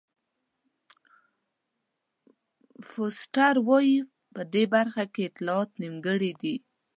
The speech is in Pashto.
فورسټر وایي په دې برخه کې اطلاعات نیمګړي دي.